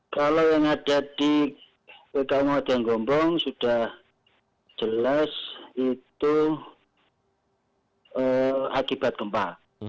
kalau yang ada di kabupaten gombong sudah jelas itu akibat gempa